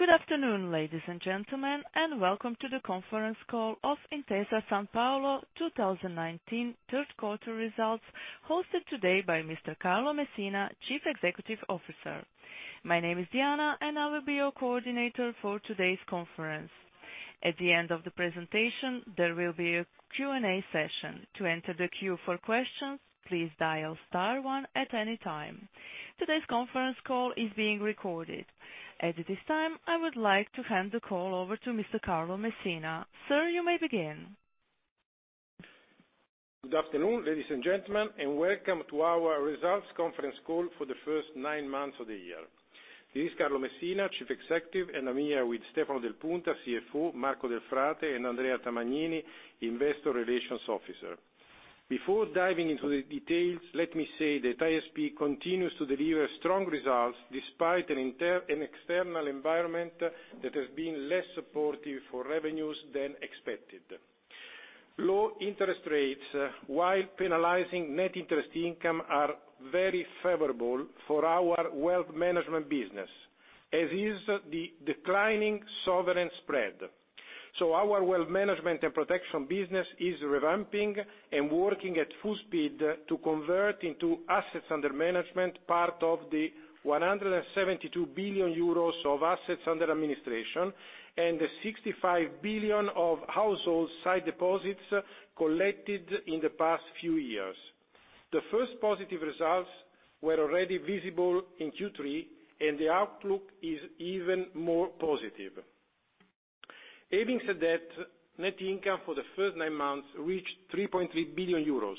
Good afternoon, ladies and gentlemen, and welcome to the conference call of Intesa Sanpaolo 2019 third quarter results, hosted today by Mr. Carlo Messina, Chief Executive Officer. My name is Diana, and I will be your coordinator for today's conference. At the end of the presentation, there will be a Q&A session. To enter the queue for questions, please dial star one at any time. Today's conference call is being recorded. At this time, I would like to hand the call over to Mr. Carlo Messina. Sir, you may begin. Good afternoon, ladies and gentlemen, welcome to our results conference call for the first nine months of the year. This is Carlo Messina, Chief Executive, and I'm here with Stefano Del Punta, CFO, Marco Delfrate, and Andrea Tamagnini, Investor Relations Officer. Before diving into the details, let me say that ISP continues to deliver strong results despite an external environment that has been less supportive for revenues than expected. Low interest rates, while penalizing net interest income, are very favorable for our wealth management business, as is the declining sovereign spread. Our wealth management and protection business is revamping and working at full speed to convert into assets under management, part of the 172 billion euros of assets under administration and the 65 billion of household sight deposits collected in the past few years. The first positive results were already visible in Q3, and the outlook is even more positive. Having said that, net income for the first nine months reached 3.3 billion euros.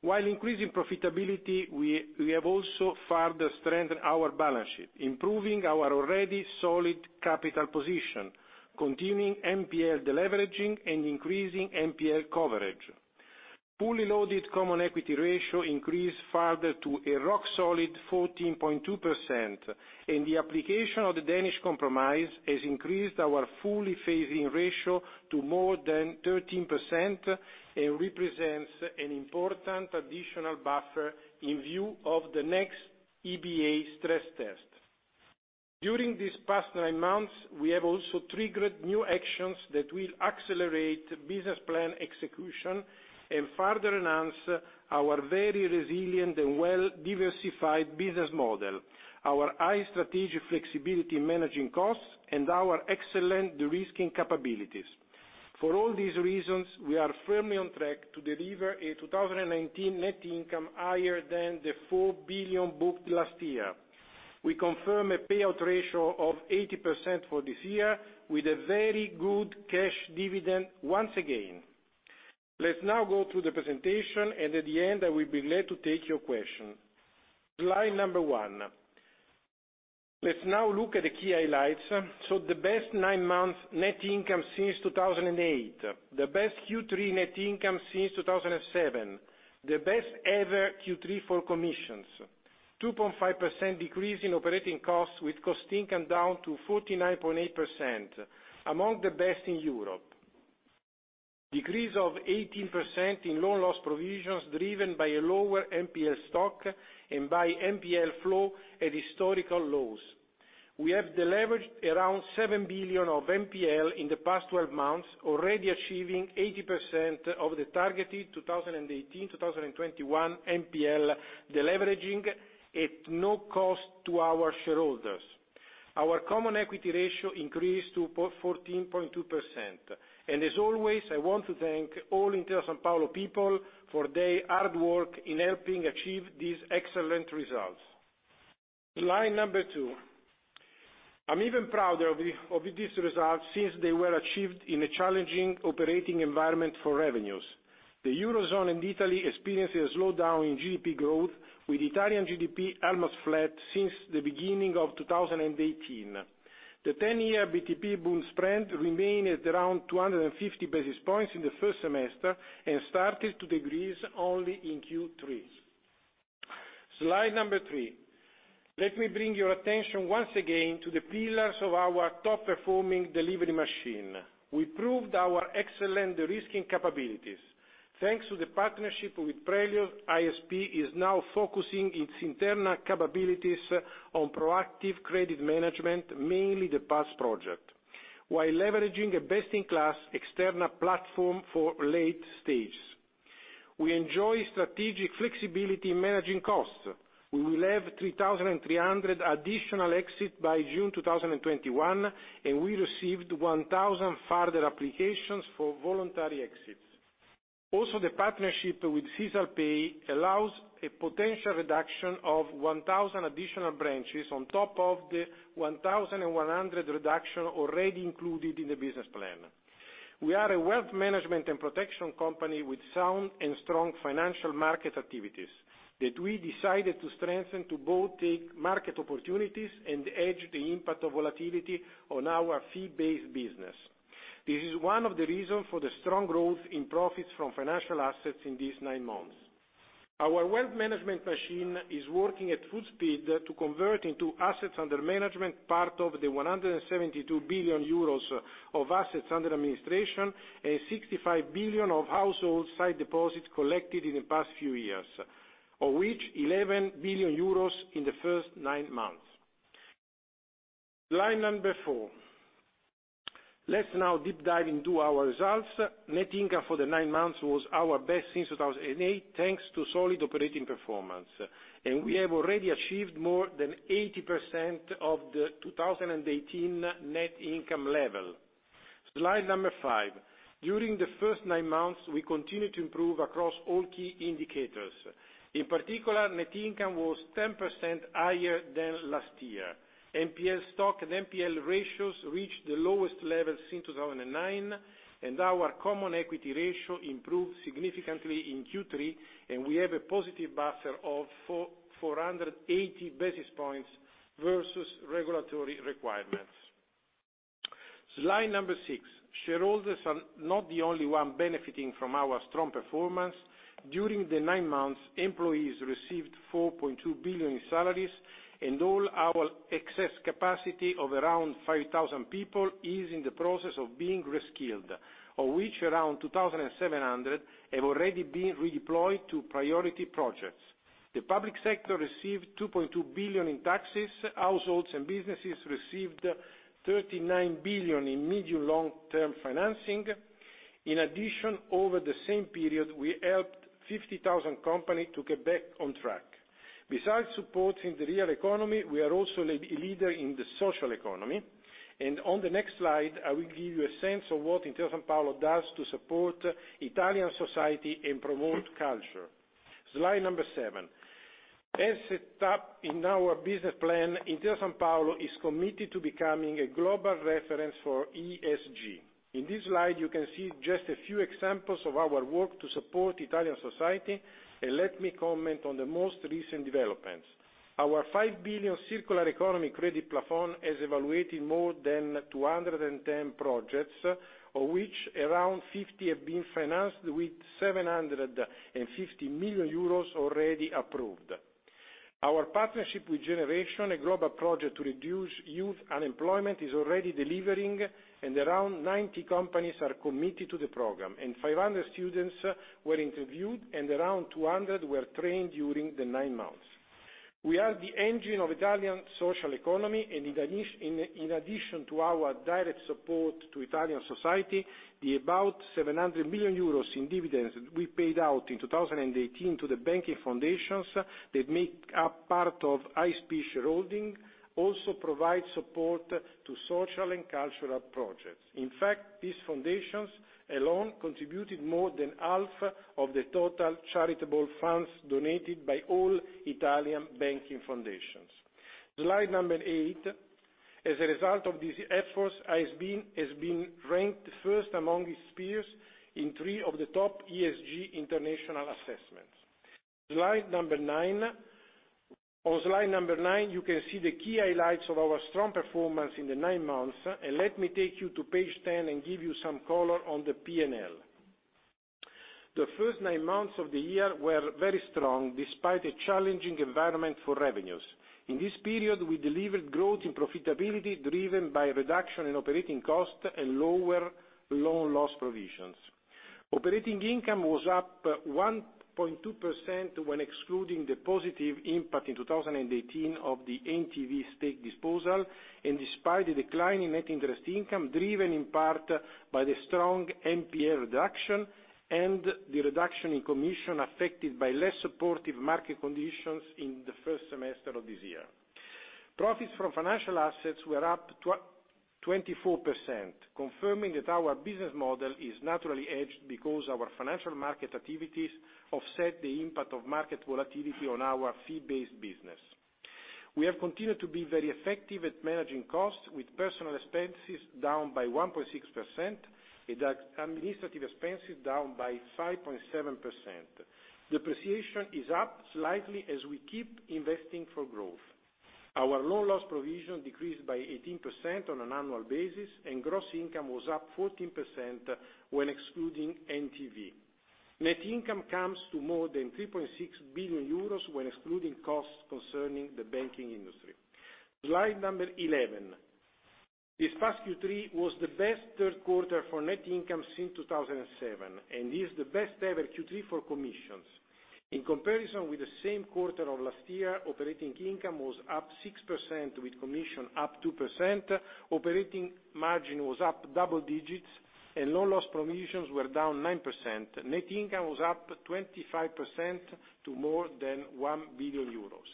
While increasing profitability, we have also further strengthened our balance sheet, improving our already solid capital position, continuing NPL deleveraging, and increasing NPL coverage. Fully loaded common equity ratio increased further to a rock solid 14.2%, and the application of the Danish Compromise has increased our fully phasing ratio to more than 13% and represents an important additional buffer in view of the next EBA stress test. During these past nine months, we have also triggered new actions that will accelerate business plan execution and further enhance our very resilient and well-diversified business model, our high strategic flexibility in managing costs, and our excellent de-risking capabilities. For all these reasons, we are firmly on track to deliver a 2019 net income higher than the 4 billion booked last year. We confirm a payout ratio of 80% for this year with a very good cash dividend once again. Let's now go to the presentation, and at the end, I will be glad to take your question. Slide number one. Let's now look at the key highlights. The best nine-month net income since 2008. The best Q3 net income since 2007. The best ever Q3 for commissions. 2.5% decrease in operating costs, with cost income down to 49.8%, among the best in Europe. Decrease of 18% in loan loss provisions, driven by a lower NPL stock and by NPL flow at historical lows. We have deleveraged around 7 billion of NPL in the past 12 months, already achieving 80% of the targeted 2018, 2021 NPL deleveraging at no cost to our shareholders. Our Common Equity ratio increased to 14.2%. As always, I want to thank all Intesa Sanpaolo people for their hard work in helping achieve these excellent results. Slide number two. I'm even prouder of these results since they were achieved in a challenging operating environment for revenues. The Eurozone and Italy experienced a slowdown in GDP growth, with Italian GDP almost flat since the beginning of 2018. The 10-year BTP bund spread remained at around 250 basis points in the first semester and started to decrease only in Q3. Slide number three. Let me bring your attention once again to the pillars of our top-performing delivery machine. We proved our excellent de-risking capabilities. Thanks to the partnership with Prelios, ISP is now focusing its internal capabilities on proactive credit management, mainly the PAS project, while leveraging a best-in-class external platform for late stage. We enjoy strategic flexibility in managing costs. We will have 3,300 additional exit by June 2021, and we received 1,000 further applications for voluntary exits. The partnership with SisalPay allows a potential reduction of 1,000 additional branches on top of the 1,100 reduction already included in the business plan. We are a wealth management and protection company with sound and strong financial market activities that we decided to strengthen to both take market opportunities and hedge the impact of volatility on our fee-based business. This is one of the reasons for the strong growth in profits from financial assets in these nine months. Our wealth management machine is working at full speed to convert into assets under management, part of the 172 billion euros of assets under administration and 65 billion of household sight deposits collected in the past few years, of which 11 billion euros in the first nine months. Slide number four. Let's now deep dive into our results. Net income for the nine months was our best since 2008, thanks to solid operating performance. We have already achieved more than 80% of the 2018 net income level. Slide number five. During the first nine months, we continued to improve across all key indicators. In particular, net income was 10% higher than last year. NPL stock and NPL ratios reached the lowest levels since 2009, and our common equity ratio improved significantly in Q3, and we have a positive buffer of 480 basis points versus regulatory requirements. Slide number six. Shareholders are not the only one benefiting from our strong performance. During the nine months, employees received 4.2 billion in salaries, and all our excess capacity of around 5,000 people is in the process of being reskilled, of which around 2,700 have already been redeployed to priority projects. The public sector received 2.2 billion in taxes. Households and businesses received 39 billion in medium to long-term financing. In addition, over the same period, we helped 50,000 company to get back on track. Besides supporting the real economy, we are also a leader in the social economy, and on the next slide, I will give you a sense of what Intesa Sanpaolo does to support Italian society and promote culture. Slide number seven. As set up in our business plan, Intesa Sanpaolo is committed to becoming a global reference for ESG. In this slide, you can see just a few examples of our work to support Italian society, and let me comment on the most recent developments. Our 5 billion circular economy credit plafond has evaluated more than 210 projects, of which around 50 have been financed with 750 million euros already approved. Our partnership with Generation, a global project to reduce youth unemployment, is already delivering, and around 90 companies are committed to the program, and 500 students were interviewed and around 200 were trained during the nine months. We are the engine of Italian social economy, and in addition to our direct support to Italian society, the about 700 million euros in dividends we paid out in 2018 to the banking foundations that make up part of ISP shareholding, also provide support to social and cultural projects. In fact, these foundations alone contributed more than half of the total charitable funds donated by all Italian banking foundations. Slide number eight. As a result of these efforts, ISP has been ranked first among its peers in three of the top ESG international assessments. Slide number nine. On slide number nine, you can see the key highlights of our strong performance in the nine months, and let me take you to page 10 and give you some color on the P&L. The first nine months of the year were very strong, despite a challenging environment for revenues. In this period, we delivered growth in profitability, driven by a reduction in operating costs and lower loan loss provisions. Operating income was up 1.2% when excluding the positive impact in 2018 of the NTV stake disposal, and despite the decline in net interest income, driven in part by the strong NPL reduction and the reduction in commission affected by less supportive market conditions in the first semester of this year. Profits from financial assets were up 24%, confirming that our business model is naturally hedged because our financial market activities offset the impact of market volatility on our fee-based business. We have continued to be very effective at managing costs, with personal expenses down by 1.6%, and administrative expenses down by 5.7%. Depreciation is up slightly as we keep investing for growth. Our loan loss provision decreased by 18% on an annual basis, and gross income was up 14% when excluding NTV. Net income comes to more than 3.6 billion euros when excluding costs concerning the banking industry. Slide number 11. This past Q3 was the best third quarter for net income since 2007 and is the best-ever Q3 for commissions. In comparison with the same quarter of last year, operating income was up 6% with commission up 2%, operating margin was up double digits, and loan loss provisions were down 9%. Net income was up 25% to more than 1 billion euros.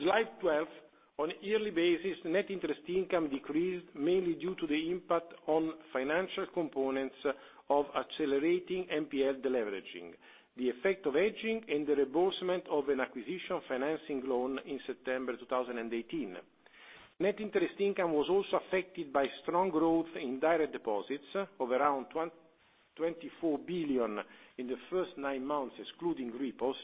Slide 12. On a yearly basis, net interest income decreased mainly due to the impact on financial components of accelerating NPL deleveraging, the effect of aging, and the reimbursement of an acquisition financing loan in September 2018. Net interest income was also affected by strong growth in direct deposits of around 24 billion in the first nine months, excluding repos.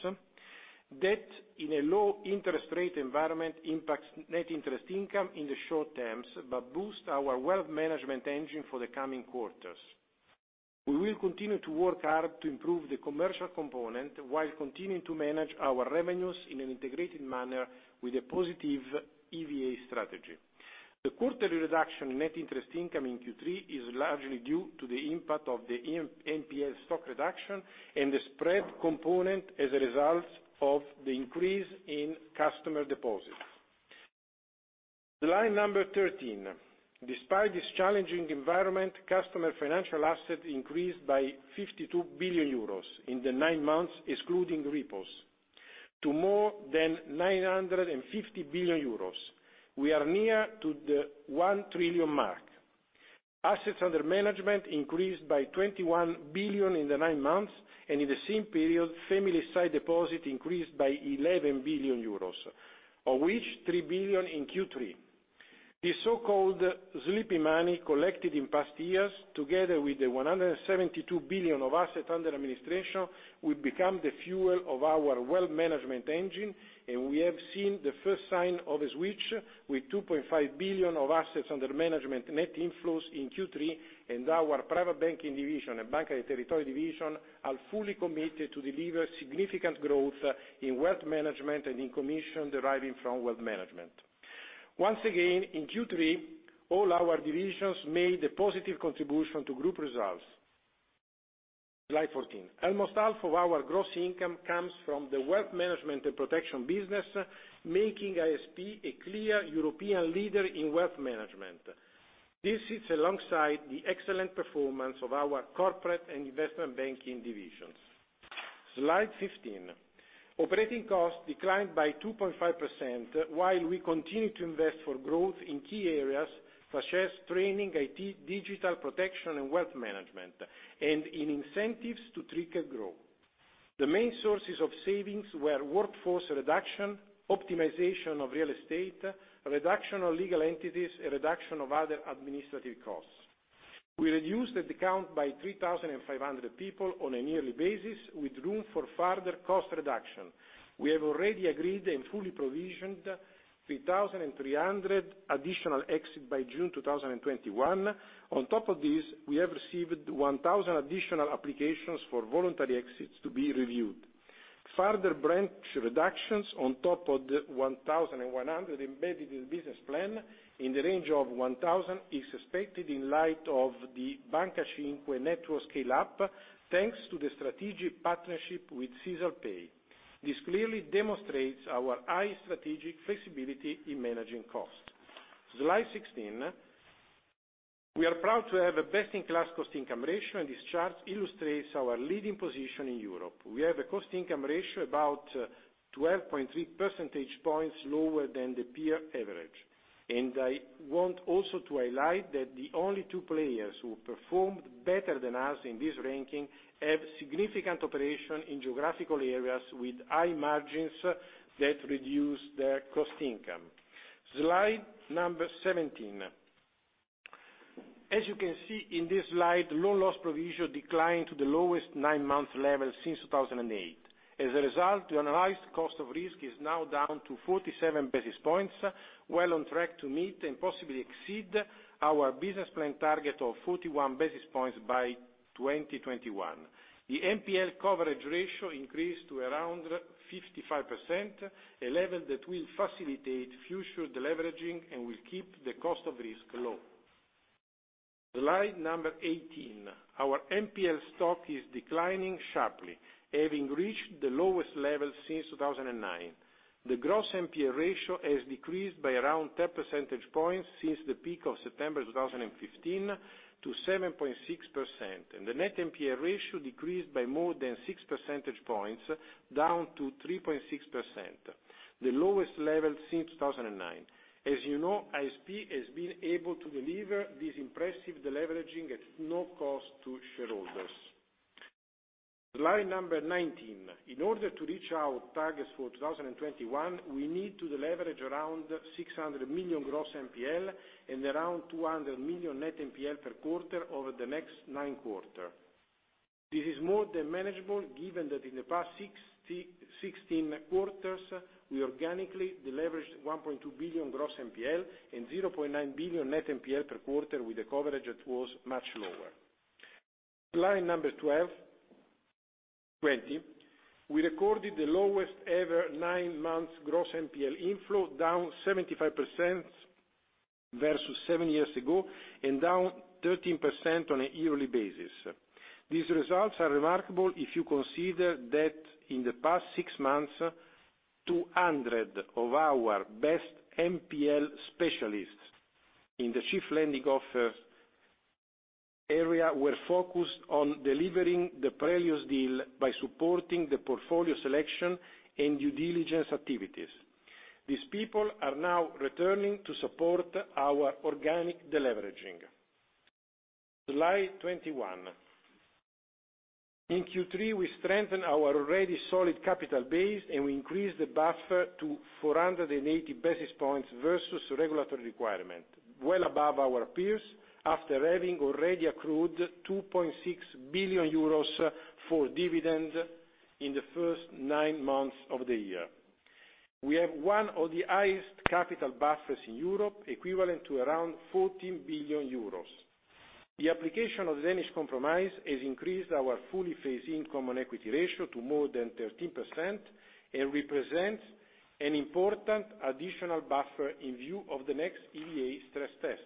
Debt in a low interest rate environment impacts net interest income in the short terms but boost our wealth management engine for the coming quarters. We will continue to work hard to improve the commercial component, while continuing to manage our revenues in an integrated manner with a positive EVA strategy. The quarterly reduction in net interest income in Q3 is largely due to the impact of the NPL stock reduction and the spread component as a result of the increase in customer deposits. Slide number 13. Despite this challenging environment, customer financial assets increased by 52 billion euros in the nine months excluding repos, to more than 950 billion euros. We are near to the 1 trillion mark. Assets under management increased by 21 billion in the nine months, and in the same period, family sight deposits increased by 11 billion euros, of which 3 billion in Q3. The so-called sleeping money collected in past years, together with the 172 billion of assets under administration, will become the fuel of our wealth management engine, and we have seen the first sign of a switch with 2.5 billion of assets under management net inflows in Q3, and our private banking division and Banca dei Territori division are fully committed to deliver significant growth in wealth management and in commission deriving from wealth management. Once again, in Q3, all our divisions made a positive contribution to group results. Slide 14. Almost half of our gross income comes from the wealth management and protection business, making ISP a clear European leader in wealth management. This sits alongside the excellent performance of our corporate and investment banking divisions. Slide 15. Operating costs declined by 2.5%, while we continue to invest for growth in key areas such as training, IT, digital protection, and wealth management, and in incentives to trigger growth. The main sources of savings were workforce reduction, optimization of real estate, reduction of legal entities, reduction of other administrative costs. We reduced headcount by 3,500 people on a yearly basis, with room for further cost reduction. We have already agreed and fully provisioned 3,300 additional exit by June 2021. On top of this, we have received 1,000 additional applications for voluntary exits to be reviewed. Further branch reductions on top of the 1,100 embedded in business plan in the range of 1,000 is expected in light of the Banca 5 network scale-up, thanks to the strategic partnership with SisalPay. This clearly demonstrates our high strategic flexibility in managing costs. Slide 16. We are proud to have a best-in-class cost-to-income ratio, this chart illustrates our leading position in Europe. We have a cost-to-income ratio about 12.3 percentage points lower than the peer average. I want also to highlight that the only two players who performed better than us in this ranking have significant operation in geographical areas with high margins that reduce their cost-to-income. Slide number 17. As you can see in this slide, loan loss provision declined to the lowest nine-month level since 2008. As a result, the annualized cost of risk is now down to 47 basis points, well on track to meet and possibly exceed our business plan target of 41 basis points by 2021. The NPL coverage ratio increased to around 55%, a level that will facilitate future deleveraging and will keep the cost of risk low. Slide number 18. Our NPL stock is declining sharply, having reached the lowest level since 2009. The gross NPL ratio has decreased by around 10 percentage points since the peak of September 2015 to 7.6%, and the net NPL ratio decreased by more than six percentage points, down to 3.6%, the lowest level since 2009. As you know, ISP has been able to deliver this impressive deleveraging at no cost to shareholders. Slide number 19. In order to reach our targets for 2021, we need to deleverage around 600 million gross NPL and around 200 million net NPL per quarter over the next nine quarter. This is more than manageable given that in the past 16 quarters, we organically leveraged 1.2 billion gross NPL and 0.9 billion net NPL per quarter with a coverage that was much lower. Slide number 20. We recorded the lowest-ever nine-month gross NPL inflow, down 75% versus seven years ago and down 13% on a yearly basis. These results are remarkable if you consider that in the past six months, 200 of our best NPL specialists in the chief lending officer area were focused on delivering the previous deal by supporting the portfolio selection and due diligence activities. These people are now returning to support our organic deleveraging. Slide 21. In Q3, we strengthened our already solid capital base, and we increased the buffer to 480 basis points versus regulatory requirement, well above our peers after having already accrued 2.6 billion euros for dividend in the first nine months of the year. We have one of the highest capital buffers in Europe, equivalent to around 14 billion euros. The application of the Danish Compromise has increased our fully phased-in common equity ratio to more than 13% and represents an important additional buffer in view of the next EBA stress test.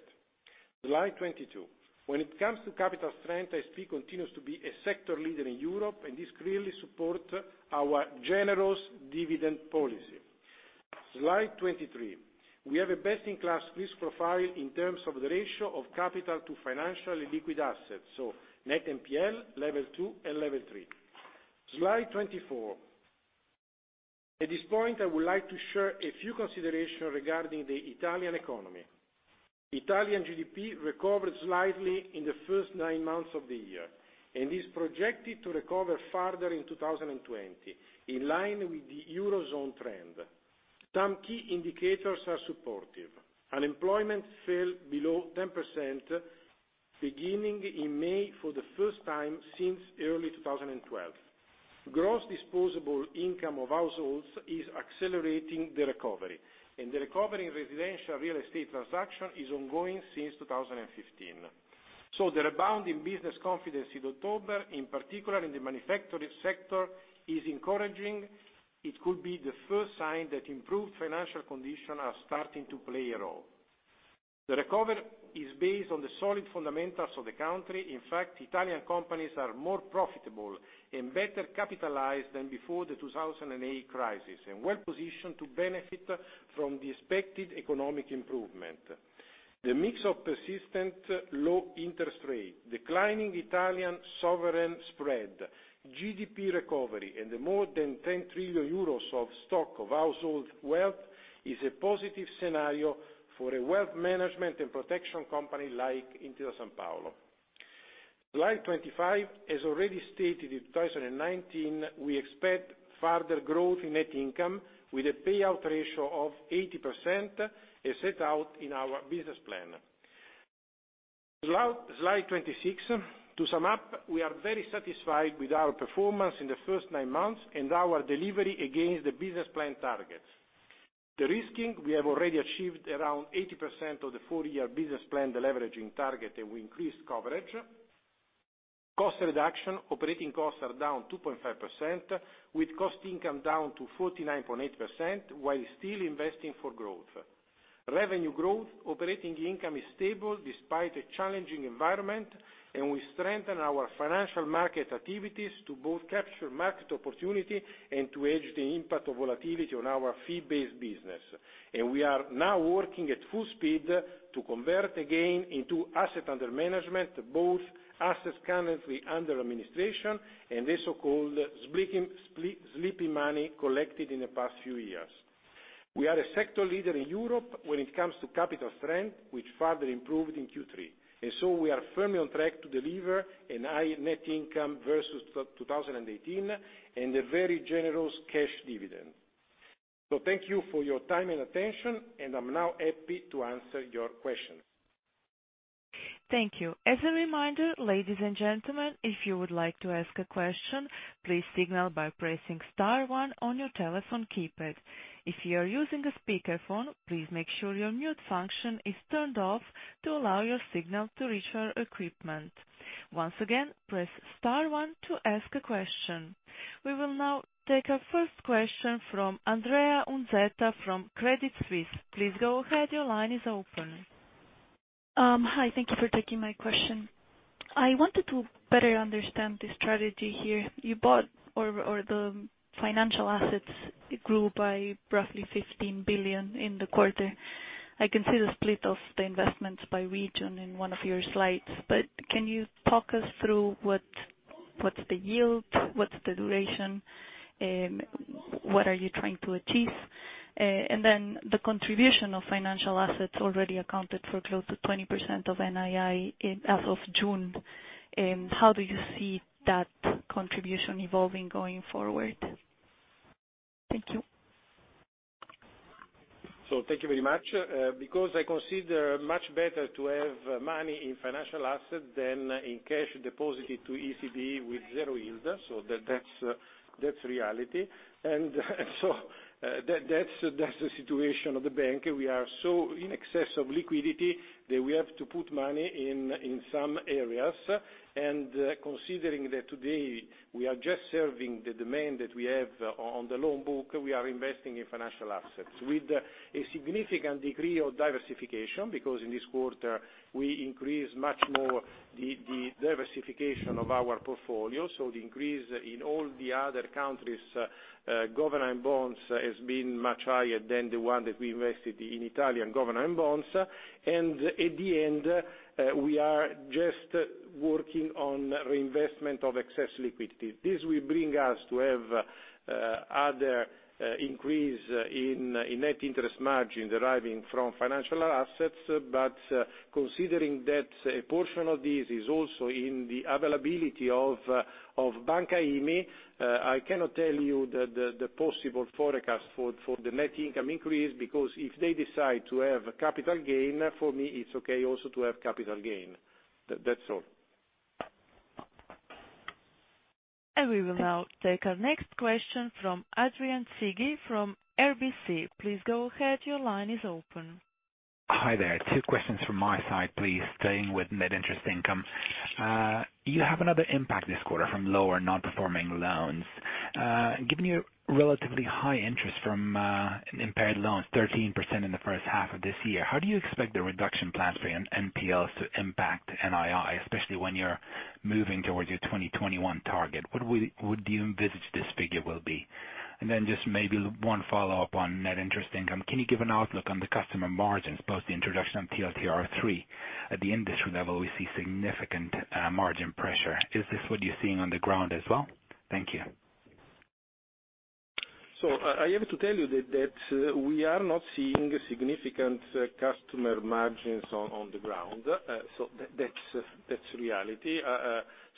Slide 22. When it comes to capital strength, ISP continues to be a sector leader in Europe, and this clearly supports our generous dividend policy. Slide 23. We have a best-in-class risk profile in terms of the ratio of capital to financial and liquid assets, so net NPL, Level 2, and Level 3. Slide 24. At this point, I would like to share a few considerations regarding the Italian economy. Italian GDP recovered slightly in the first nine months of the year and is projected to recover further in 2020, in line with the Eurozone trend. Some key indicators are supportive. Unemployment fell below 10% beginning in May for the first time since early 2012. Gross disposable income of households is accelerating the recovery, and the recovery in residential real estate transaction is ongoing since 2015. The rebound in business confidence in October, in particular in the manufacturing sector, is encouraging. It could be the first sign that improved financial conditions are starting to play a role. The recovery is based on the solid fundamentals of the country. In fact, Italian companies are more profitable and better capitalized than before the 2008 crisis and well-positioned to benefit from the expected economic improvement. The mix of persistent low interest rates, declining Italian sovereign spread, GDP recovery, and the more than 10 trillion euros of stock of household wealth is a positive scenario for a wealth management and protection company like Intesa Sanpaolo. Slide 25. As already stated, in 2019, we expect further growth in net income with a payout ratio of 80% as set out in our business plan. Slide 26. To sum up, we are very satisfied with our performance in the first nine months and our delivery against the business plan targets. De-risking, we have already achieved around 80% of the four-year business plan deleveraging target. We increased coverage. Cost reduction, operating costs are down 2.5%, with cost income down to 49.8%, while still investing for growth. Revenue growth, operating income is stable despite a challenging environment. We strengthen our financial market activities to both capture market opportunity and to hedge the impact of volatility on our fee-based business. We are now working at full speed to convert the gain into assets under management, both assets currently under administration and the so-called sleeping money collected in the past few years. We are a sector leader in Europe when it comes to capital strength, which further improved in Q3. We are firmly on track to deliver a higher net income versus 2018 and a very generous cash dividend. Thank you for your time and attention. I am now happy to answer your questions. Thank you. As a reminder, ladies and gentlemen, if you would like to ask a question, please signal by pressing star one on your telephone keypad. If you are using a speakerphone, please make sure your mute function is turned off to allow your signal to reach our equipment. Once again, press star one to ask a question. We will now take our first question from Andrea Unzueta from Credit Suisse. Please go ahead. Your line is open. Hi. Thank you for taking my question. I wanted to better understand the strategy here. You bought, or the financial assets grew by roughly 15 billion in the quarter. I can see the split of the investments by region in one of your slides, can you talk us through what's the yield, what's the duration, what are you trying to achieve? The contribution of financial assets already accounted for close to 20% of NII as of June. How do you see that contribution evolving going forward? Thank you. Thank you very much. I consider much better to have money in financial assets than in cash deposited to ECB with zero yield. That's reality. That's the situation of the bank. We are so in excess of liquidity that we have to put money in some areas. Considering that today we are just serving the demand that we have on the loan book, we are investing in financial assets with a significant degree of diversification, because in this quarter, we increased much more the diversification of our portfolio. The increase in all the other countries' government bonds has been much higher than the one that we invested in Italian government bonds. At the end, we are just working on reinvestment of excess liquidity. This will bring us to have other increase in net interest margin deriving from financial assets. Considering that a portion of this is also in the availability of Banca IFIS, I cannot tell you the possible forecast for the net income increase, because if they decide to have a capital gain, for me, it is okay also to have capital gain. That's all. We will now take our next question from Anke Reingen from RBC. Please go ahead. Your line is open. Hi there. Two questions from my side, please. Staying with net interest income. You have another impact this quarter from lower non-performing loans. Given your relatively high interest from impaired loans, 13% in the first half of this year, how do you expect the reduction plans for NPLs to impact NII, especially when you're moving towards your 2021 target? What do you envisage this figure will be? Then just maybe one follow-up on net interest income. Can you give an outlook on the customer margins, post the introduction of TLTRO III? At the industry level, we see significant margin pressure. Is this what you're seeing on the ground as well? Thank you. I have to tell you that we are not seeing significant customer margins on the ground. That's reality.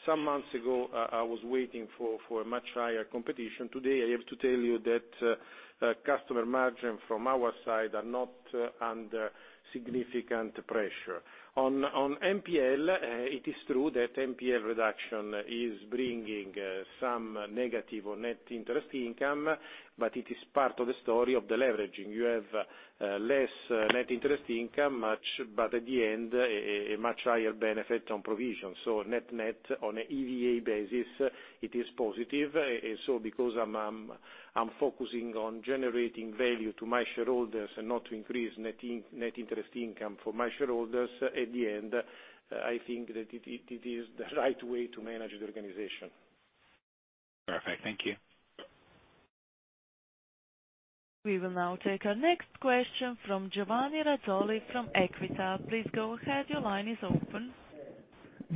Some months ago, I was waiting for a much higher competition. Today, I have to tell you that customer margin from our side are not under significant pressure. On NPL, it is true that NPL reduction is bringing some negative on net interest income, but it is part of the story of the leveraging. You have less net interest income, but at the end, a much higher benefit on provision. Net-net, on an EVA basis, it is positive. Because I'm focusing on generating value to my shareholders and not to increase net interest income for my shareholders, at the end, I think that it is the right way to manage the organization. Perfect. Thank you. We will now take our next question from Giovanni Razzoli from Equita. Please go ahead. Your line is open.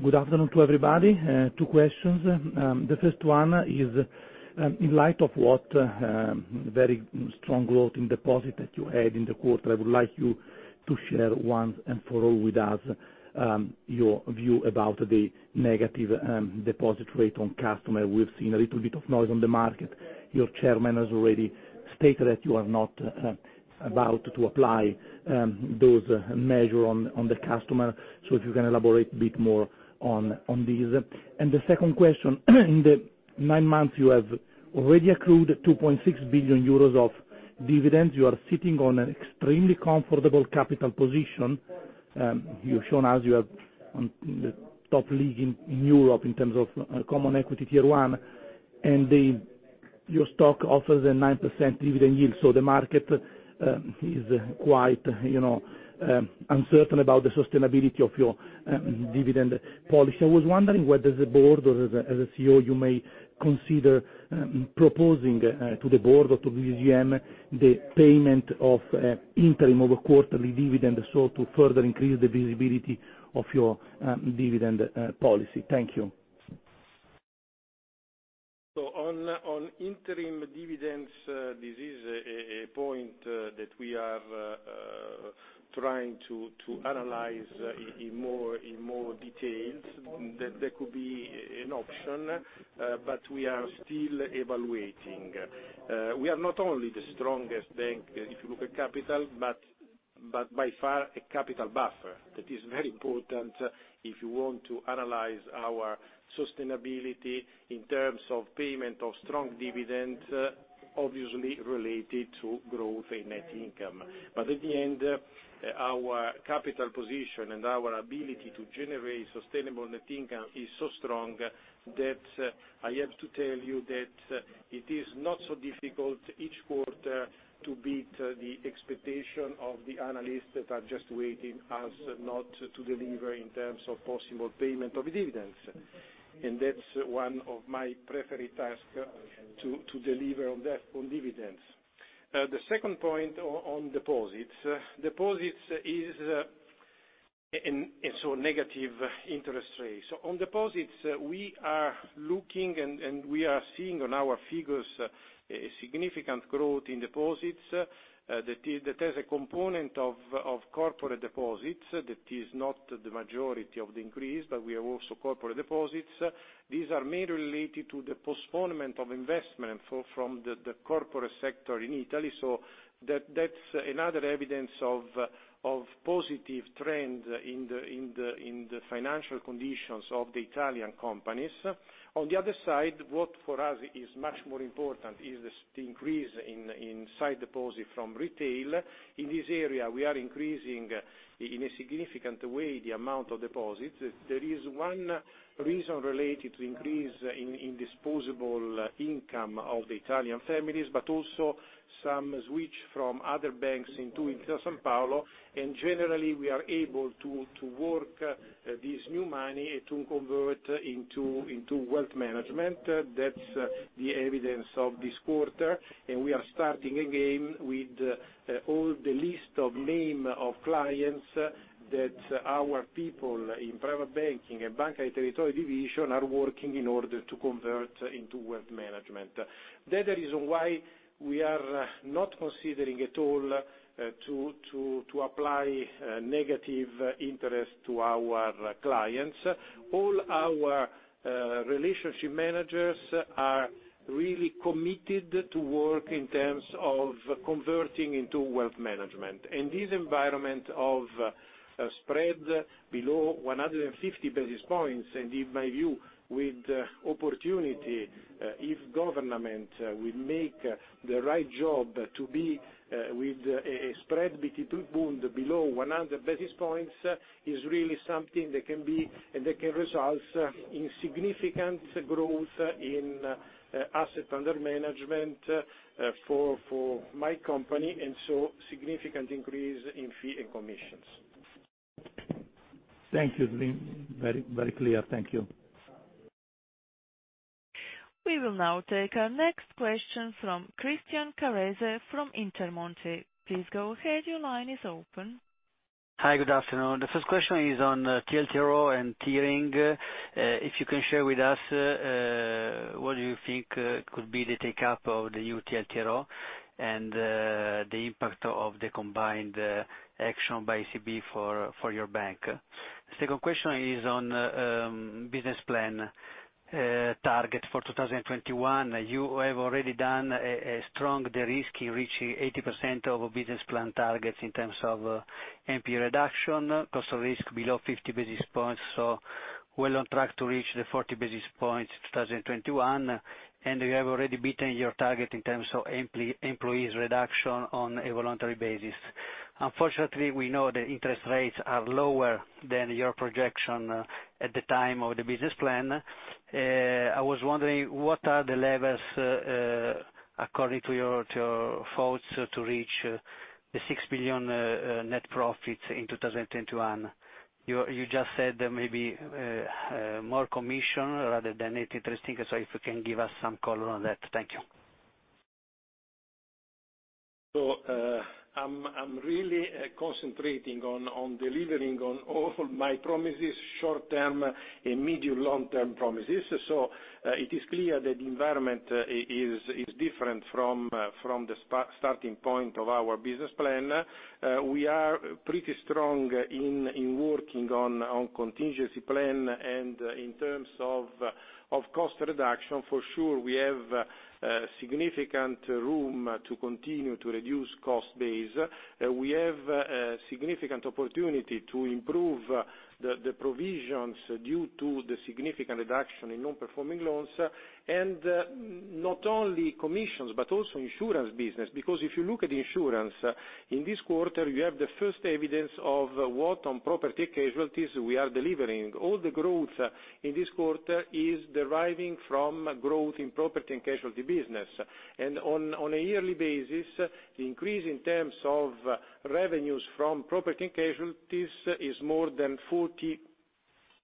Good afternoon to everybody. Two questions. The first one is, in light of what very strong growth in deposit that you had in the quarter, I would like you to share once and for all with us your view about the negative deposit rate on customer. We've seen a little bit of noise on the market. Your chairman has already stated that you are not about to apply those measure on the customer, if you can elaborate a bit more on these. The second question, in the nine months, you have already accrued 2.6 billion euros of dividends. You are sitting on an extremely comfortable capital position. You've shown us you are on the top league in Europe in terms of Common Equity Tier 1, your stock offers a 9% dividend yield. The market is quite uncertain about the sustainability of your dividend policy. I was wondering whether the board or as a CEO, you may consider proposing to the board or to the AGM the payment of interim of a quarterly dividend, to further increase the visibility of your dividend policy. Thank you. On interim dividends, this is a point that we are trying to analyze in more details. That could be an option, we are still evaluating. We are not only the strongest bank if you look at capital, by far a capital buffer. That is very important if you want to analyze our sustainability in terms of payment of strong dividend, obviously related to growth in net income. At the end, our capital position and our ability to generate sustainable net income is so strong that I have to tell you that it is not so difficult each quarter to beat the expectation of the analysts that are just waiting us not to deliver in terms of possible payment of dividends. That's one of my preferred task, to deliver on dividends. The second point on deposits. Negative interest rates. On deposits, we are looking and we are seeing on our figures, a significant growth in deposits that has a component of corporate deposits. That is not the majority of the increase, but we have also corporate deposits. These are mainly related to the postponement of investment from the corporate sector in Italy. That's another evidence of positive trend in the financial conditions of the Italian companies. On the other side, what for us is much more important is the increase in sight deposit from retail. In this area, we are increasing, in a significant way, the amount of deposits. There is one reason related to increase in disposable income of the Italian families, but also some switch from other banks into Intesa Sanpaolo. Generally, we are able to work this new money to convert into wealth management. That's the evidence of this quarter. We are starting again with all the list of name of clients that our people in private banking and Banca dei Territori division are working in order to convert into wealth management. That is why we are not considering at all to apply negative interest to our clients. All our relationship managers are really committed to work in terms of converting into wealth management. In this environment of spread below 150 basis points, and in my view, with opportunity, if government will make the right job to be with a spread between below 100 basis points, is really something that can result in significant growth in asset under management for my company, and so significant increase in fee and commissions. Thank you. Very clear. Thank you. We will now take our next question from Christian Carrese from Intermonte. Please go ahead. Your line is open. Hi, good afternoon. The first question is on TLTRO and tiering. If you can share with us, what do you think could be the take-up of the new TLTRO and the impact of the combined action by ECB for your bank? Second question is on business plan target for 2021. You have already done a strong de-risk in reaching 80% of business plan targets in terms of NPL reduction, cost of risk below 50 basis points. Well on track to reach the 40 basis points 2021. You have already beaten your target in terms of employees reduction on a voluntary basis. Unfortunately, we know the interest rates are lower than your projection at the time of the business plan. I was wondering, what are the levers, according to your thoughts, to reach the 6 billion net profits in 2021? You just said maybe more commission rather than interest. If you can give us some color on that. Thank you. I'm really concentrating on delivering on all my promises, short-term and medium to long-term promises. It is clear that the environment is different from the starting point of our business plan. We are pretty strong in working on contingency plan and in terms of cost reduction. For sure, we have significant room to continue to reduce cost base. We have significant opportunity to improve the provisions due to the significant reduction in non-performing loans and not only commissions but also insurance business. If you look at insurance, in this quarter, we have the first evidence of what on property casualties we are delivering. All the growth in this quarter is deriving from growth in property and casualty business. On a yearly basis, the increase in terms of revenues from property and casualties is more than 40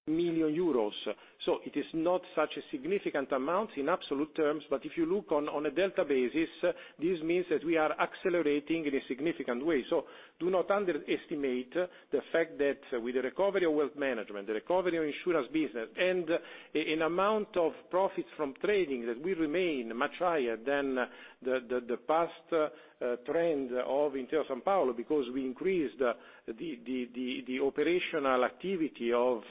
million euros. It is not such a significant amount in absolute terms. If you look on a delta basis, this means that we are accelerating in a significant way. Do not underestimate the fact that with the recovery of wealth management, the recovery of insurance business, and in amount of profits from trading, that we remain much higher than the past trend of Intesa Sanpaolo, because we increased the operational activity of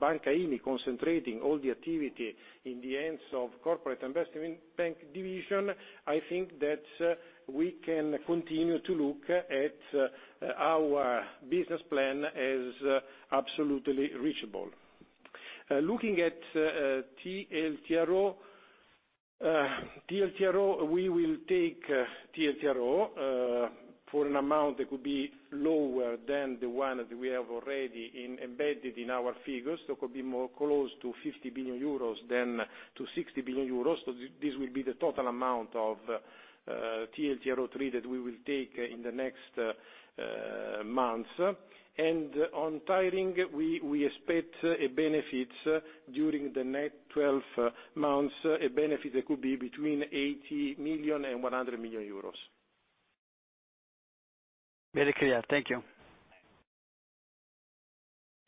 Banca Intesa concentrating all the activity in the hands of Corporate Investment Bank division. I think that we can continue to look at our business plan as absolutely reachable. Looking at TLTRO, we will take TLTRO for an amount that could be lower than the one that we have already embedded in our figures. Could be more close to 50 billion euros than to 60 billion euros. This will be the total amount of TLTRO III that we will take in the next months. On tiering, we expect a benefit during the next 12 months, a benefit that could be between 80 million and 100 million euros. Very clear. Thank you.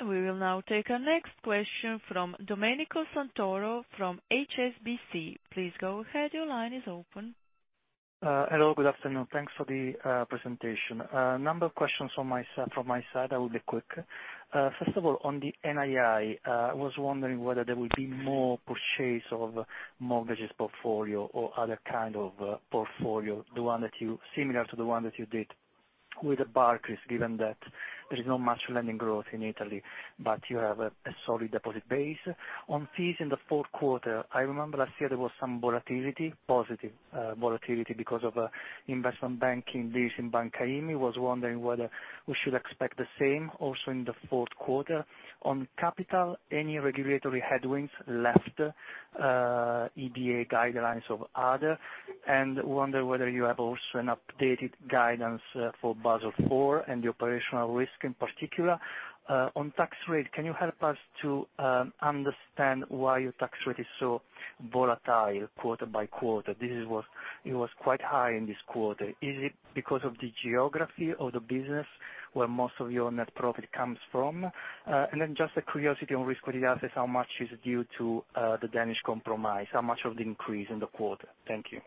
We will now take our next question from Domenico Santoro from HSBC. Please go ahead. Your line is open. Hello, good afternoon. Thanks for the presentation. A number of questions from my side. I will be quick. First of all, on the NII, I was wondering whether there will be more purchase of mortgages portfolio or other kind of portfolio, similar to the one that you did with Barclays, given that there is not much lending growth in Italy, but you have a solid deposit base. On fees in the fourth quarter, I remember last year there was some volatility, positive volatility because of investment banking business in Banca Intesa. I was wondering whether we should expect the same also in the fourth quarter. On capital, any regulatory headwinds left, EBA guidelines or other? Wonder whether you have also an updated guidance for Basel IV and the operational risk in particular. On tax rate, can you help us to understand why your tax rate is so volatile quarter by quarter? It was quite high in this quarter. Is it because of the geography of the business where most of your net profit comes from? Just a curiosity on risk-weighted assets, how much is due to the Danish Compromise, how much of the increase in the quarter? Thank you.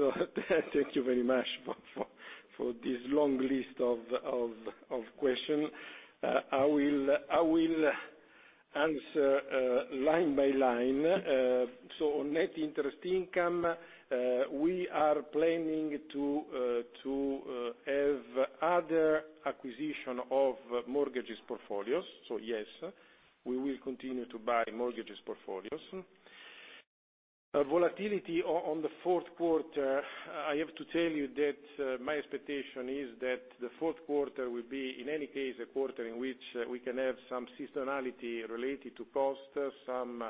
Thank you very much for this long list of question. I will answer line by line. On net interest income, we are planning to have other acquisition of mortgages portfolios. Yes, we will continue to buy mortgages portfolios. Volatility on the fourth quarter, I have to tell you that my expectation is that the fourth quarter will be, in any case, a quarter in which we can have some seasonality related to cost, some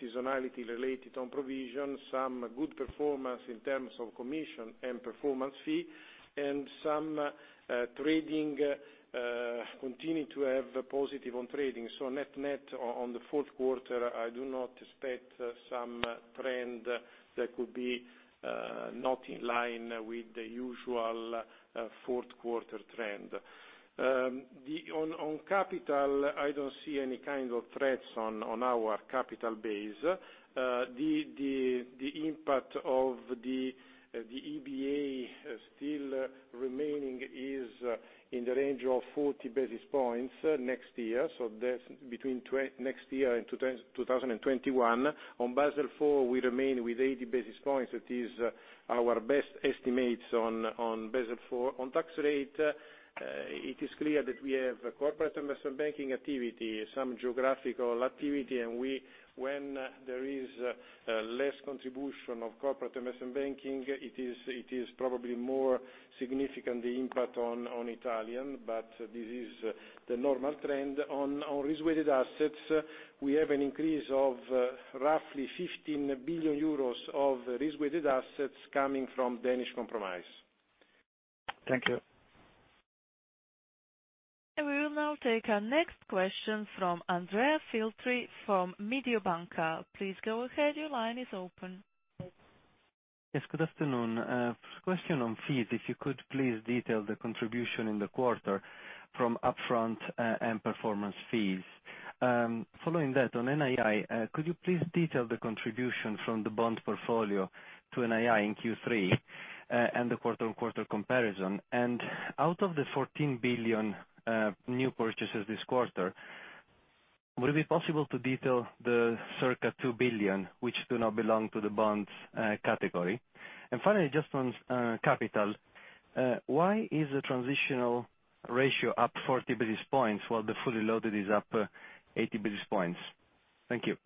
seasonality related on provision, some good performance in terms of commission and performance fee, and some trading continue to have positive on trading. Net on the fourth quarter, I do not expect some trend that could be not in line with the usual fourth quarter trend. On capital, I don't see any kind of threats on our capital base. The impact of the EBA still remaining is in the range of 40 basis points next year. Between next year and 2021. On Basel IV, we remain with 80 basis points. It is our best estimates on Basel IV. On tax rate, it is clear that we have corporate investment banking activity, some geographical activity, and when there is less contribution of corporate investment banking, it is probably more significant, the impact on Italian, but this is the normal trend. On risk-weighted assets, we have an increase of roughly 15 billion euros of risk-weighted assets coming from Danish Compromise. Thank you. We will now take our next question from Andrea Filtri from Mediobanca. Please go ahead, your line is open. Yes, good afternoon. A question on fees, if you could please detail the contribution in the quarter from upfront and performance fees. Following that, on NII, could you please detail the contribution from the bond portfolio to NII in Q3, and the quarter-on-quarter comparison? Out of the 14 billion new purchases this quarter, would it be possible to detail the circa 2 billion, which do not belong to the bonds category? Finally, just on capital, why is the transitional ratio up 40 basis points while the fully loaded is up 80 basis points? Thank you.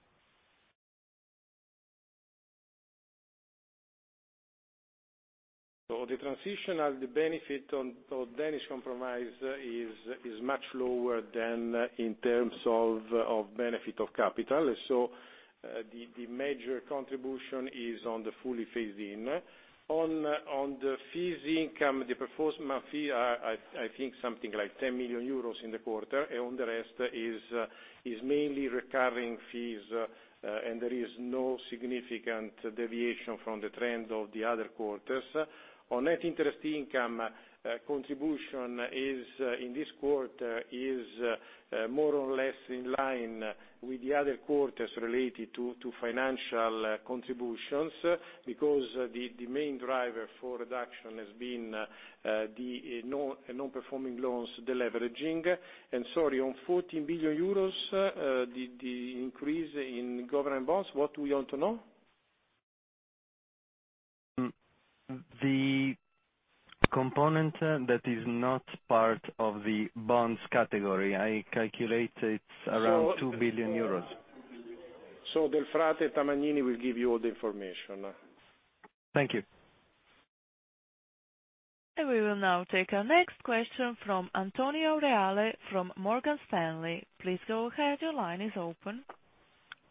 The transition of the benefit of Danish Compromise is much lower than in terms of benefit of capital. The major contribution is on the fully phased in. On the fees income, the performance fee, I think something like 10 million euros in the quarter, and on the rest is mainly recurring fees, and there is no significant deviation from the trend of the other quarters. On net interest income, contribution in this quarter is more or less in line with the other quarters related to financial contributions, because the main driver for reduction has been the non-performing loans deleveraging. Sorry, on 14 billion euros, the increase in government bonds, what we want to know? The component that is not part of the bonds category. I calculate it's around 2 billion euros. Del Frate Tamagnini will give you all the information. Thank you. We will now take our next question from Antonio Reale from Morgan Stanley. Please go ahead, your line is open.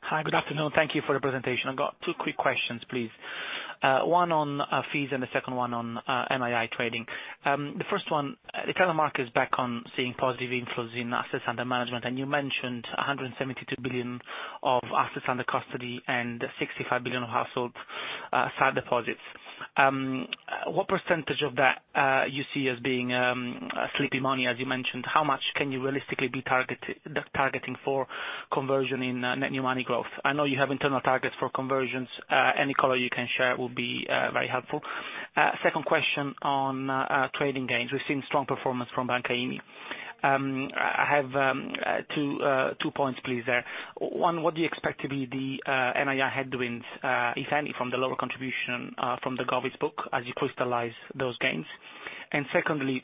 Hi, good afternoon. Thank you for the presentation. I've got two quick questions, please. One on fees and the second one on NII trading. The first one, the capital market is back on seeing positive inflows in assets under management, and you mentioned 172 billion of assets under custody and 65 billion of household side deposits. What % of that you see as being sleepy money, as you mentioned? How much can you realistically be targeting for conversion in net new money growth? I know you have internal targets for conversions. Any color you can share will be very helpful. Second question on trading gains. We've seen strong performance from Banca IMI. I have two points please there. One, what do you expect to be the NII headwinds, if any, from the lower contribution from the govies book as you crystallize those gains? Secondly,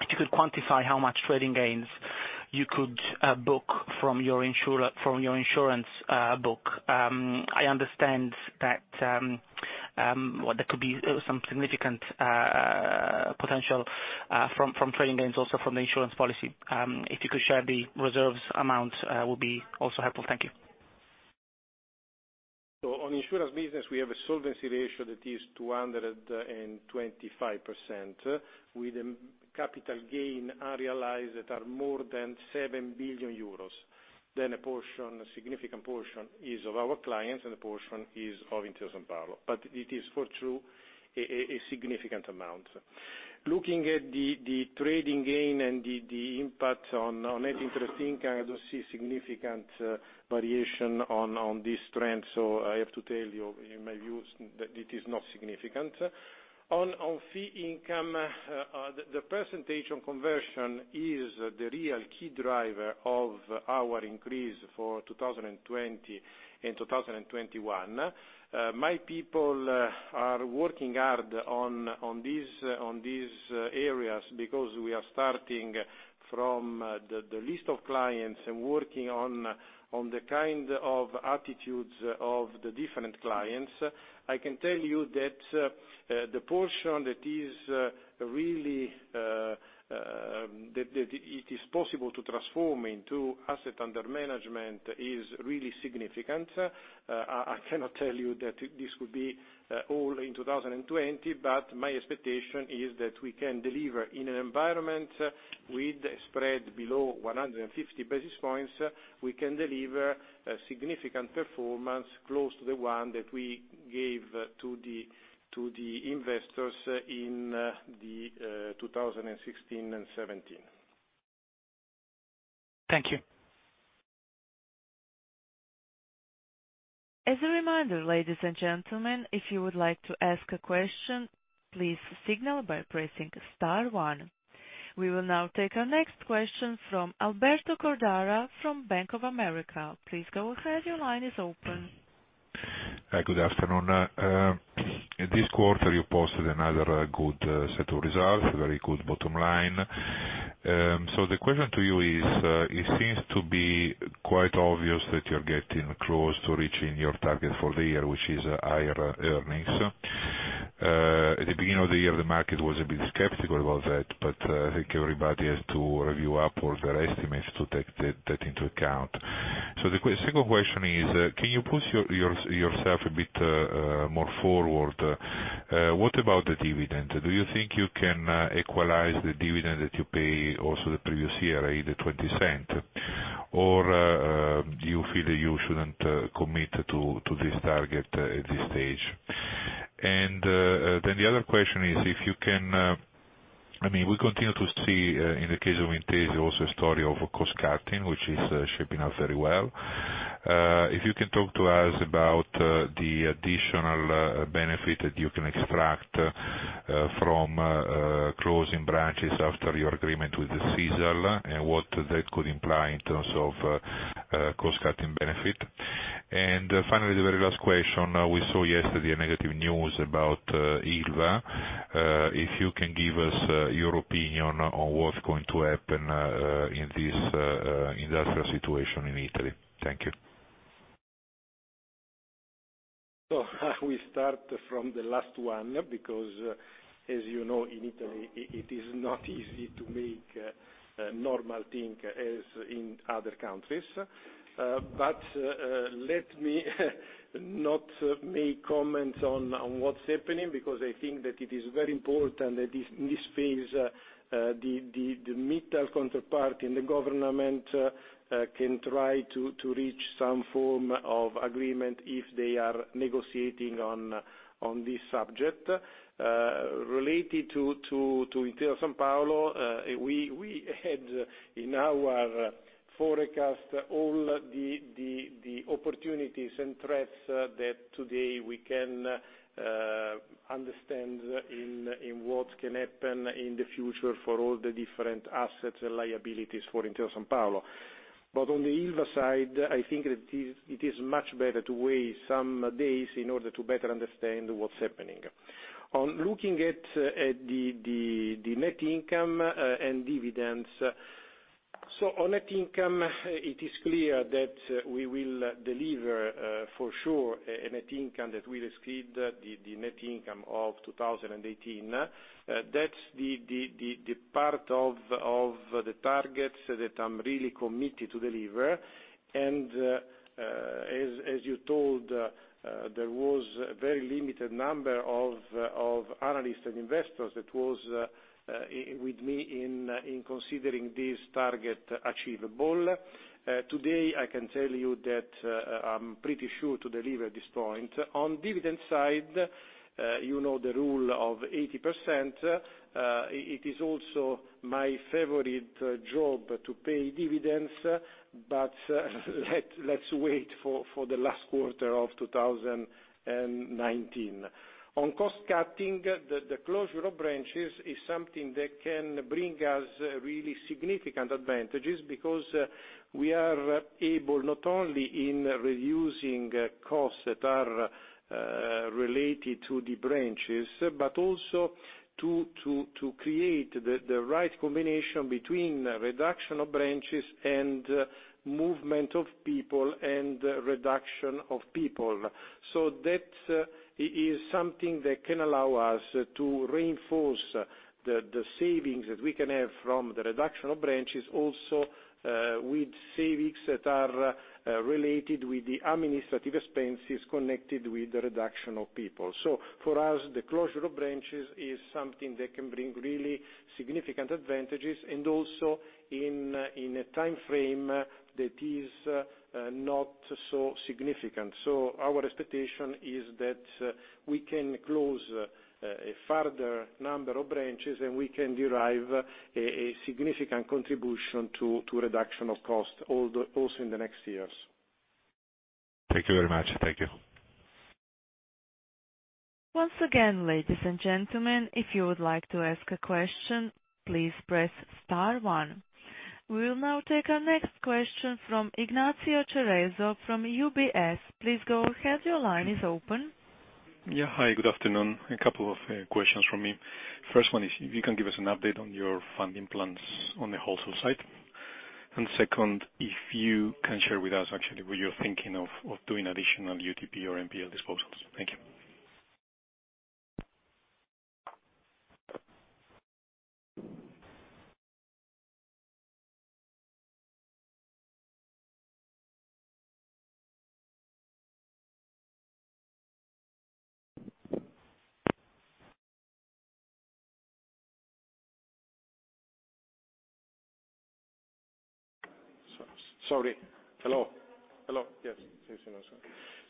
if you could quantify how much trading gains you could book from your insurance book. I understand that there could be some significant potential from trading gains also from the insurance policy. If you could share the reserves amount, would be also helpful. Thank you. On insurance business, we have a solvency ratio that is 225% with a capital gain unrealized that are more than 7 billion euros. A significant portion is of our clients and a portion is of Intesa Sanpaolo. But it is for true, a significant amount. Looking at the trading gain and the impact on net interest income, I don't see significant variation on this trend. I have to tell you, in my view, that it is not significant. On fee income, the presentation conversion is the real key driver of our increase for 2020 and 2021. My people are working hard on these areas because we are starting from the list of clients and working on the kind of attitudes of the different clients. I can tell you that the portion that it is possible to transform into asset under management is really significant. I cannot tell you that this could be all in 2020, but my expectation is that we can deliver in an environment with spread below 150 basis points. We can deliver a significant performance close to the one that we gave to the investors in 2016 and 2017. Thank you. As a reminder, ladies and gentlemen, if you would like to ask a question, please signal by pressing star one. We will now take our next question from Alberto Cordara from Bank of America. Please go ahead. Your line is open. Hi, good afternoon. This quarter, you posted another good set of results, a very good bottom line. The question to you is. It seems to be quite obvious that you're getting close to reaching your target for the year, which is higher earnings. At the beginning of the year, the market was a bit skeptical about that, but I think everybody has to review upward their estimates to take that into account. The second question is. Can you push yourself a bit more forward? What about the dividend? Do you think you can equalize the dividend that you pay also the previous year, i.e., the 0.20? Do you feel you shouldn't commit to this target at this stage? The other question is, we continue to see, in the case of Intesa, also a story of cost-cutting, which is shaping up very well. If you can talk to us about the additional benefit that you can extract from closing branches after your agreement with the Sisal and what that could imply in terms of cost-cutting benefit. Finally, the very last question. We saw yesterday a negative news about Ilva. If you can give us your opinion on what's going to happen in that situation in Italy. Thank you. We start from the last one because, as you know, in Italy, it is not easy to make a normal thing as in other countries. Let me not make comments on what's happening, because I think that it is very important that in this phase, the middle counterpart and the government can try to reach some form of agreement if they are negotiating on this subject. Related to Intesa Sanpaolo, we had in our forecast all the opportunities and threats that today we can understand in what can happen in the future for all the different assets and liabilities for Intesa Sanpaolo. On the Ilva side, I think it is much better to wait some days in order to better understand what's happening. On looking at the net income and dividends. On net income, it is clear that we will deliver, for sure, a net income that will exceed the net income of 2018. That's the part of the targets that I'm really committed to deliver. As you told, there was a very limited number of analysts and investors that was with me in considering this target achievable. Today, I can tell you that I'm pretty sure to deliver this point. On dividend side, you know the rule of 80%. It is also my favorite job to pay dividends, but let's wait for the last quarter of 2019. On cost-cutting, the closure of branches is something that can bring us really significant advantages because we are able not only in reducing costs that are related to the branches, but also to create the right combination between reduction of branches and movement of people and reduction of people. That is something that can allow us to reinforce the savings that we can have from the reduction of branches, also with savings that are related with the administrative expenses connected with the reduction of people. For us, the closure of branches is something that can bring really significant advantages and also in a time frame that is not so significant. Our expectation is that we can close a further number of branches, and we can derive a significant contribution to reduction of cost also in the next years. Thank you very much. Thank you. Once again, ladies and gentlemen, if you would like to ask a question, please press star one. We will now take our next question from Ignacio Cerezo from UBS. Please go ahead. Your line is open. Yeah. Hi, good afternoon. A couple of questions from me. First one is if you can give us an update on your funding plans on the wholesale side. Second, if you can share with us actually where you're thinking of doing additional UTP or NPL disposals. Thank you. Sorry. Hello? Yes.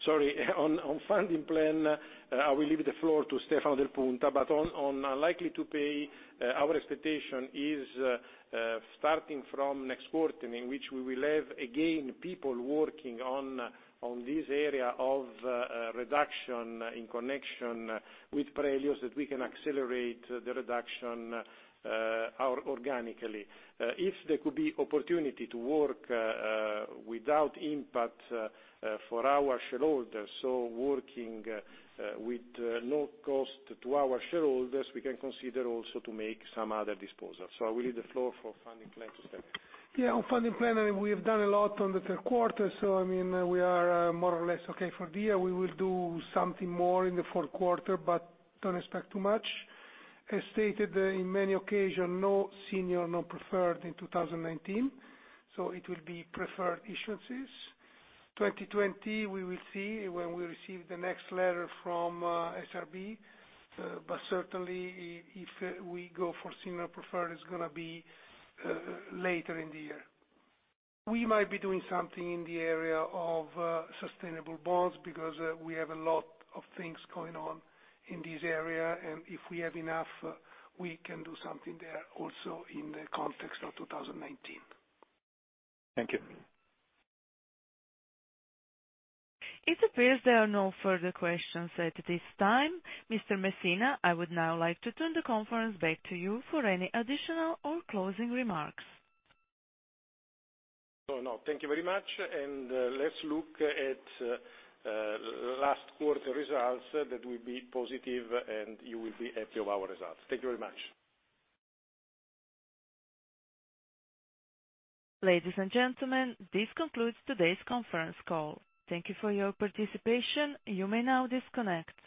Sorry. On funding plan, I will leave the floor to Stefano Del Punta. On unlikely to pay, our expectation is starting from next quarter, in which we will have, again, people working on this area of reduction in connection with Prelios, is that we can accelerate the reduction organically. If there could be opportunity to work without impact for our shareholders, so working with no cost to our shareholders, we can consider also to make some other disposal. I will leave the floor for funding plans to Stefano. On funding plan, we have done a lot on the third quarter. We are more or less okay for the year. We will do something more in the fourth quarter. Don't expect too much. As stated in many occasion, no senior, no preferred in 2019. It will be preferred issuances. 2020, we will see when we receive the next letter from SRB. Certainly, if we go for senior preferred, it's going to be later in the year. We might be doing something in the area of sustainable bonds because we have a lot of things going on in this area, and if we have enough, we can do something there also in the context of 2019. Thank you. It appears there are no further questions at this time. Mr. Messina, I would now like to turn the conference back to you for any additional or closing remarks. No. Thank you very much. Let's look at last quarter results. That will be positive, and you will be happy with our results. Thank you very much. Ladies and gentlemen, this concludes today's conference call. Thank you for your participation. You may now disconnect.